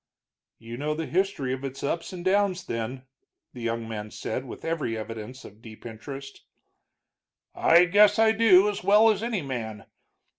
"You know the history of its ups and downs, then," the young man said, with every evidence of deep interest. "I guess I do, as well as any man.